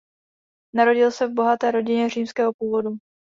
Narodil se v bohaté rodině římského původu.